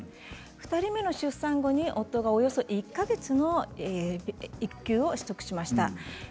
２人目の出産後に夫が、およそ１か月の育児休業を取りました。